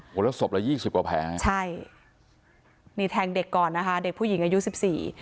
ละศพละยี่สิบกว่าแผลใช่นี่แทงเด็กก่อนนะคะเด็กผู้หญิงอายุสิบสี่